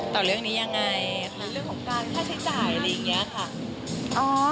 ต่อเรื่องนี้ยังไงเรื่องของการค่าใช้จ่ายอะไรอย่างนี้ค่ะ